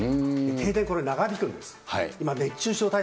停電、これ長引くんです。